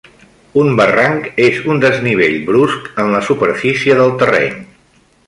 Un barranc és un desnivell brusc en la superfície del terreny.